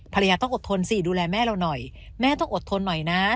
ภรรยาต้องอดทนสิดูแลแม่เราหน่อยแม่ต้องอดทนหน่อยนะ